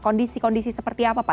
kondisi kondisi seperti apa pak